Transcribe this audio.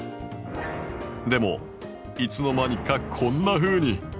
でもいつの間にかこんなふうに。